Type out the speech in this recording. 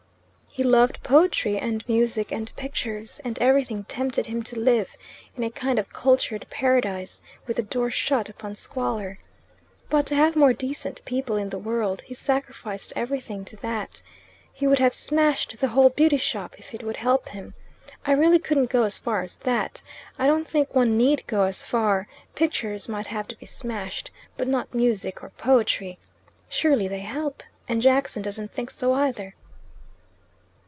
He loved poetry and music and pictures, and everything tempted him to live in a kind of cultured paradise, with the door shut upon squalor. But to have more decent people in the world he sacrificed everything to that. He would have 'smashed the whole beauty shop' if it would help him. I really couldn't go as far as that. I don't think one need go as far pictures might have to be smashed, but not music or poetry; surely they help and Jackson doesn't think so either."